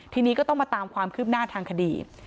ทีนี้ก็ต้องมาตามความคืบหน้าทางคดี